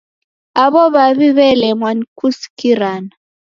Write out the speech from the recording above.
Aw'o w'aw'I w'elemwa ni kusikirana.